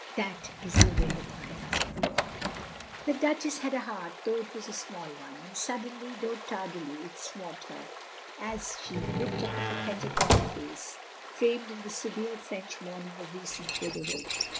"That is the will of my husband." 368 THE LONELY LADY The Duchess had a heart, though it was a small one; and suddenly, though tardily, it smote her, as she looked at the pathetic young face, framed in the severe French mourning of recent widowhood.